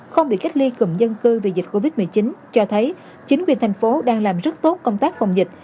không bị cách ly cùng dân cư vì dịch covid một mươi chín cho thấy chính quyền thành phố đang làm rất tốt công tác phòng dịch